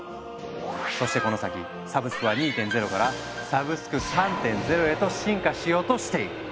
そしてこの先サブスクは２．０から「サブスク３．０」へと進化しようとしている。